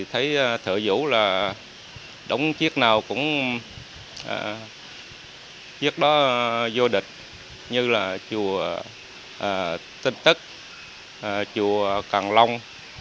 thấy thời dẫu là đóng chiếc nào cũng chiếc đó vô địch như là chùa tinh tất chùa càng long